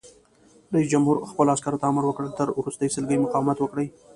رئیس جمهور خپلو عسکرو ته امر وکړ؛ تر وروستۍ سلګۍ مقاومت وکړئ!